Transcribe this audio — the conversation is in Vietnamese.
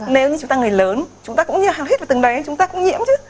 nếu như chúng ta người lớn chúng ta cũng như hào hít vào từng đầy chúng ta cũng nhiễm chứ